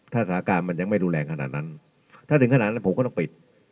ถ้าสถานการณ์มันยังไม่รุนแรงขนาดนั้นถ้าถึงขนาดนั้นผมก็ต้องปิด